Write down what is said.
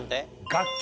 楽器。